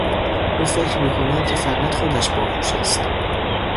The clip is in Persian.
او فکر می کند که فقط خودش باهوش است.